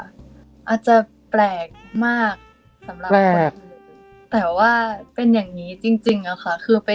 อาจจะแปลกมากแต่ว่าเป็นอย่างนี้จริงค่ะ